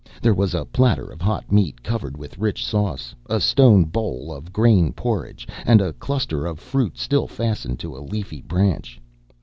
There was a platter of hot meat covered with rich sauce, a stone bowl of grain porridge and a cluster of fruit, still fastened to a leafy branch.